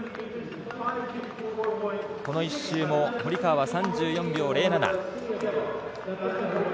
この１周も堀川は３４秒０７。